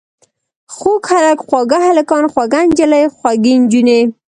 خوږ هلک، خواږه هلکان، خوږه نجلۍ، خوږې نجونې.